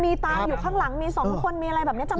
มีตาอยู่ข้างหลังมี๒คนมีอะไรแบบนี้จำไม่ได้จริงหรอ